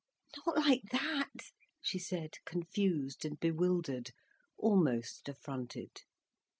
"Not like that," she said, confused and bewildered, almost affronted.